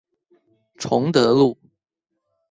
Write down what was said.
崇德路